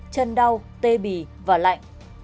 chân đau tê bì và lạnh